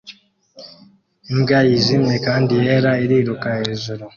Imbwa yijimye kandi yera iriruka hejuru